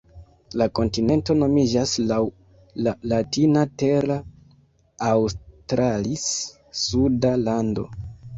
La kontinento nomiĝas laŭ la latina "terra australis", suda lando.